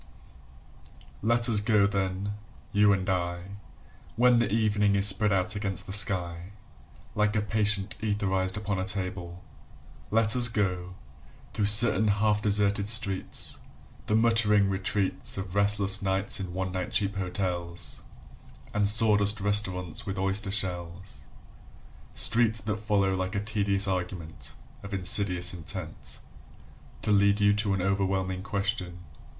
LET us go then, you and I, When the evening is spread out against the sky Like a patient etherised upon a table; Let us go, through certain half deserted streets, The muttering retreats Of restless nights in one night cheap hotels And sawdust restaurants with oyster shells: Streets that follow like a tedious argument Of insidious intent To lead you to an overwhelming question.